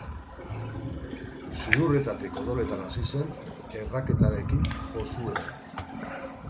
Sudurretatik odoletan hasi zen erraketarekin jo zuenean.